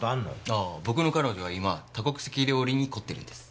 ああ僕の彼女が今多国籍料理に凝っているんです。